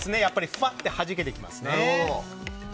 ふわっとはじけてきますね。